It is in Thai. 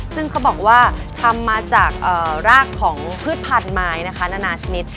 ซึ่งเขาบอกว่าทำมาจากรากของพืชพันธุ์ไม้นะคะนานาชนิด